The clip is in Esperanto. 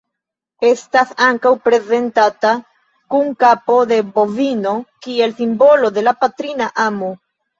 Estas ankaŭ prezentata kun kapo de bovino kiel simbolo de la patrina amo.